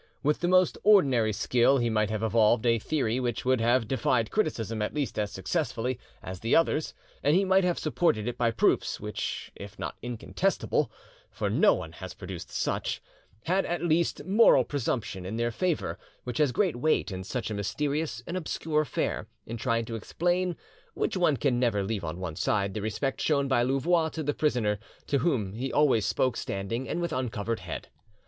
With the most ordinary skill he might have evolved a theory which would have defied criticism at least as successfully, as the others, and he might have supported it by proofs, which if not incontestable (for no one has produced such), had at least moral presumption in their favour, which has great weight in such a mysterious and obscure affair, in trying to explain, which one can never leave on one side, the respect shown by Louvois to the prisoner, to whom he always spoke standing and with uncovered head.